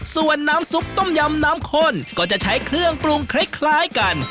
ส่วนน้ำซุปต้มยำน้ำข้นก็จะใช้เครื่องปรุงคล้ายกัน